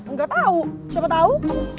engga tau siapa tau